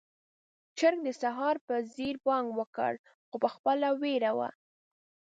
چرګ د سهار په څېر بانګ وکړ، خو پخپله يې وېره وه.